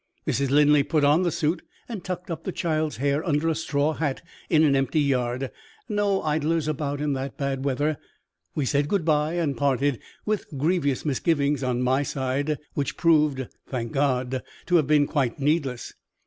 Mrs. Linley put on the suit, and tucked up the child's hair under a straw hat, in an empty yard no idlers about in that bad weather. We said good by, and parted, with grievous misgivings on my side, which proved (thank God!) to have been quite needless.